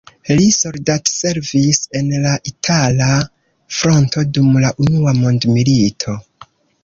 Li soldatservis en la itala fronto dum la unua mondmilito.